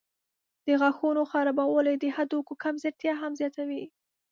د غاښونو خرابوالی د هډوکو کمزورتیا هم زیاتوي.